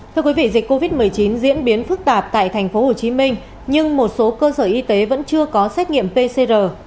thưa quý vị dịch covid một mươi chín diễn biến phức tạp tại tp hcm nhưng một số cơ sở y tế vẫn chưa có xét nghiệm pcr